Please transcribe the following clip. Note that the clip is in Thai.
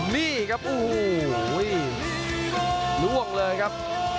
นี่ครับอู้หู้ล่วงเลยครับ